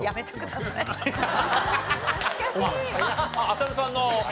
浅野さんの？